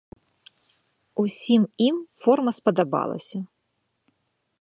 Усім ім форма спадабалася.